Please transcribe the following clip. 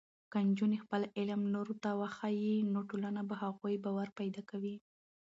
که نجونې خپل علم نورو ته وښيي، نو ټولنه په هغوی باور پیدا کوي.